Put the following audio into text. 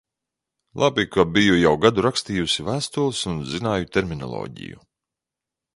Labi, ka biju jau gadu rakstījusi vēstules un zināju terminoloģiju.